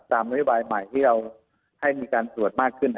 นโยบายใหม่ที่เราให้มีการตรวจมากขึ้น